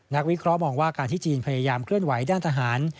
วิเคราะห์มองว่าการที่จีนพยายามเคลื่อนไหวด้านทหาร